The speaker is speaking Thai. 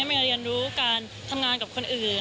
มัรียะเรียนรู้ขึ้นมากับคนอื่น